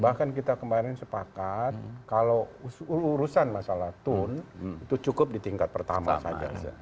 bahkan kita kemarin sepakat kalau urusan masalah tun itu cukup di tingkat pertama saja